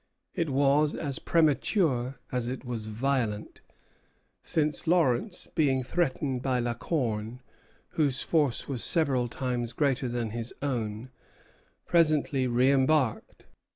It was as premature as it was violent; since Lawrence, being threatened by La Corne, whose force was several times greater than his own, presently reimbarked.